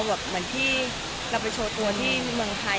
เหมือนที่เราไปโชว์ตัวที่เมืองไทยอีก๘๑๐๐๐๐๐๐๐๐๐๐